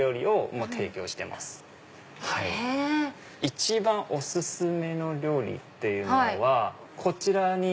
一番お薦めの料理っていうのはこちらに。